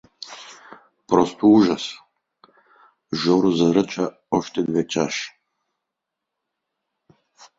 Просто ужас… Жоржу заръча още две чаши.